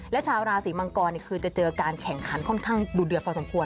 และชาวราศีมังกรคือจะเจอการแข่งขันค่อนข้างดูเดือดพอสมควร